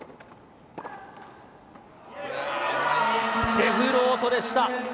デフロートでした。